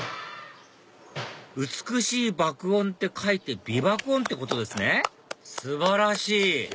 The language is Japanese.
「美しい爆音」って書いて美爆音ってことですね素晴らしい！